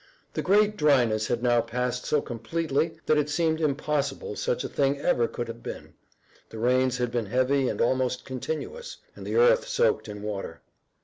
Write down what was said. The great dryness had now passed so completely that it seemed impossible such a thing ever could have been. The rains had been heavy and almost continuous, and the earth soaked in water.